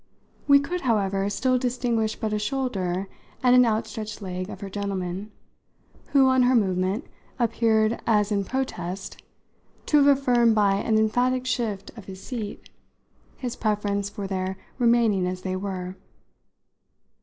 We could, however, still distinguish but a shoulder and an out stretched leg of her gentleman, who, on her movement, appeared, as in protest, to have affirmed by an emphatic shift of his seat his preference for their remaining as they were.